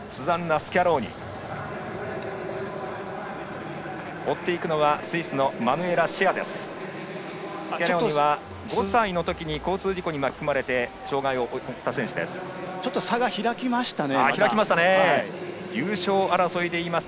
スキャローニは５歳のときに交通事故に巻き込まれて障がいを負った選手です。